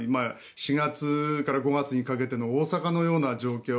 四月から五月にかけての大阪のような状況